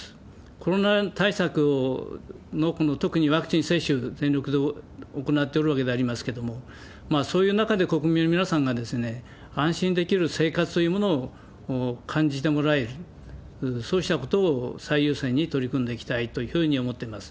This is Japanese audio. コロナ対策の、特にワクチン接種、全力で行っておるわけでありますけれども、そういう中で国民の皆さんが安心できる生活というものを感じてもらえる、そうしたことを最優先に取り組んでいきたいというふうに思っています。